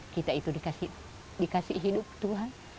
kita itu dikasih hidup tuhan